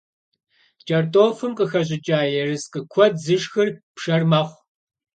КӀэртӀофым къыхэщӀыкӀа ерыскъы куэд зышхыр пшэр мэхъу.